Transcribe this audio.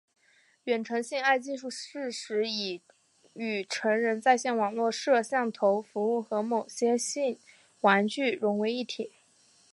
远程性爱技术事实上已与成人在线网络摄像头服务和某些性玩具融为一体。